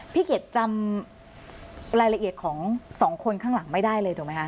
พี่เกียจจำรายละเอียดของสองคนข้างหลังไม่ได้เลยถูกไหมคะ